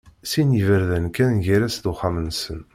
Sin n yiberdan kan gar-as d uxxam-nsen.